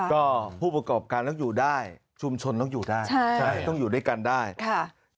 ก็ผู้ประกอบการต้องอยู่ได้ชุมชนต้องอยู่ได้ใช่ใช่ต้องอยู่ด้วยกันได้ค่ะ